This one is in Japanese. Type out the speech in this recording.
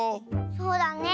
そうだね。